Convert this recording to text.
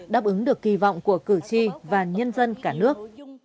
đáp ứng được kỳ vọng của cử tri và nhân dân cả nước